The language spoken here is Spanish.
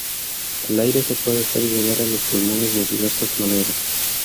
El aire se puede hacer llegar a los pulmones de diversas maneras.